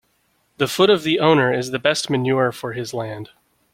The foot of the owner is the best manure for his land.